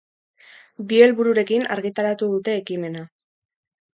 Bi helbururekin argitaratu dute ekimena.